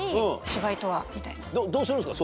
どうするんですか？